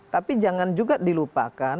tapi jangan juga dilupakan